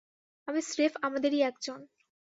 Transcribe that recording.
আমি স্রেফ আমাদেরই একজন।